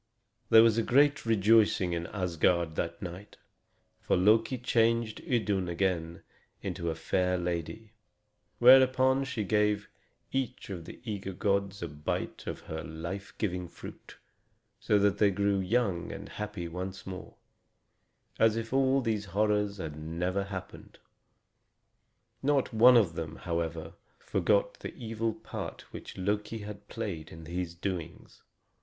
There was great rejoicing in Asgard that night, for Loki changed Idun again to a fair lady; whereupon she gave each of the eager gods a bite of her life giving fruit, so that they grew young and happy once more, as if all these horrors had never happened. Not one of them, however, forgot the evil part which Loki had played in these doings.